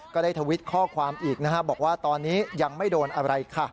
ได้ทวิตข้อความอีกนะฮะบอกว่าตอนนี้ยังไม่โดนอะไรค่ะ